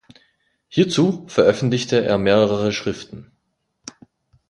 Hierzu veröffentlichte er mehrere Schriften.